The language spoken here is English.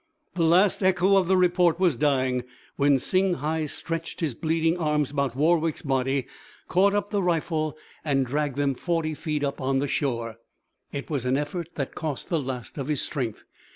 The last echo of the report was dying when Singhai stretched his bleeding arms about Warwick's body, caught up the rifle and dragged them forty feet up on the shore. It was an effort that cost the last of his strength.